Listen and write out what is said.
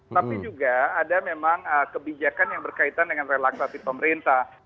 tapi juga ada memang kebijakan yang berkaitan dengan relaksasi pemerintah